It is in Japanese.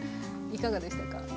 いかがでしたか？